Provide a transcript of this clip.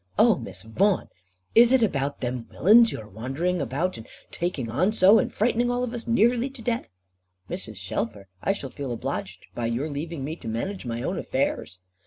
"Oh, Miss Vaughan, is it about them willains you are wandering about and taking on so, and frightening all of us nearly to death?" "Mrs. Shelfer, I shall feel obliged by your leaving me to manage my own affairs."